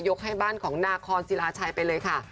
ให้บ้านของนาคอนศิลาชัยไปเลยค่ะ